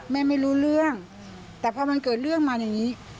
ไม่รู้เรื่องแต่พอมันเกิดเรื่องมาอย่างนี้